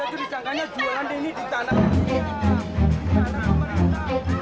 kita jadi sangkanya jualan ini di tanah